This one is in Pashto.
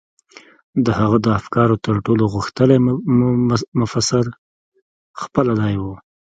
د هغه د افکارو تر ټولو غښتلی مفسر خپله دی و.